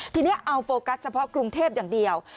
ทีนี้เอาโฟกัสเฉพาะกรุงเทพอย่างเดียว